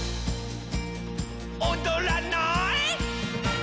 「おどらない？」